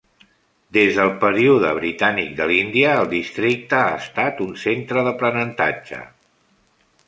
Des del període britànic de l'Índia, el districte ha estat un centre d'aprenentatge.